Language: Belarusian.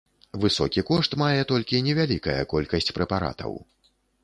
Высокі кошт мае толькі невялікая колькасць прэпаратаў.